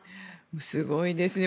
すごいですね。